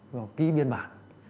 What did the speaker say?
rồi ký biên bản